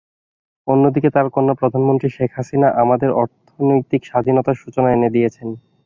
অন্যদিকে তাঁর কন্যা প্রধানমন্ত্রী শেখ হাসিনা আমাদের অর্থনৈতিক স্বাধীনতার সূচনা এনে দিয়েছেন।